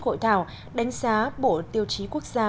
hội thảo đánh giá bộ tiêu chí quốc gia